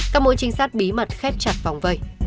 các môi trinh sát biểu tượng